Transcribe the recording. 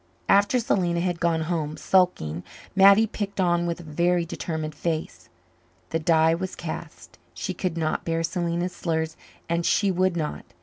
After Selena had gone home, sulking, Mattie picked on with a very determined face. The die was cast; she could not bear Selena's slurs and she would not.